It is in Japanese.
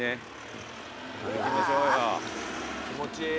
気持ちいい。